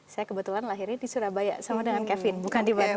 saya kebetulan lahirnya di surabaya sama dengan kevin bukan di bandung